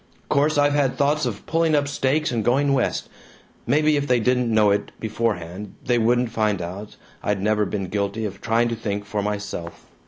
"Course I've had thoughts of pulling up stakes and going West. Maybe if they didn't know it beforehand, they wouldn't find out I'd ever been guilty of trying to think for myself.